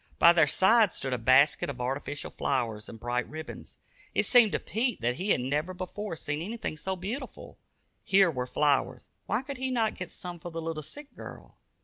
By their side stood a basket of artificial flowers and bright ribbons. It seemed to Pete that he had never before seen anything so beautiful. Here were flowers why could he not get some for the little sick girl?